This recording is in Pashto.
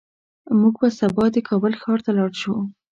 موږ به سبا د کابل ښار ته لاړ شو